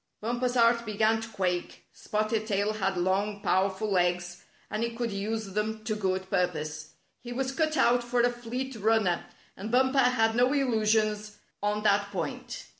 Bumper's heart began to quake. Spotted Tail had long, powerful legs and he could use them to good purpose. He was cut out for a fleet run ner, and Bumper had no illusions on that point.